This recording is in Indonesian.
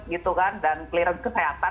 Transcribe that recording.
gitu kan dan clearance kesehatan